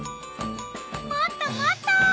もっともっと！